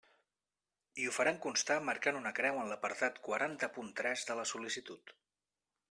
I ho faran constar marcant una creu en l'apartat quaranta punt tres de la sol·licitud.